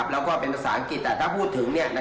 แล้วก็เป็นภาษาอังกฤษแต่ถ้าพูดถึง